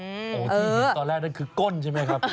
ที่ตอนแรกนั่นคือก้นใช่ไหมครับ